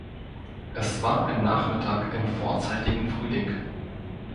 Es war ein Nachmittag im vorzeitigen Frühling.